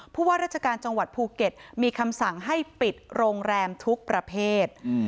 ผู้ว่าราชการจังหวัดภูเก็ตมีคำสั่งให้ปิดโรงแรมทุกประเภท